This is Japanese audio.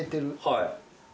はい。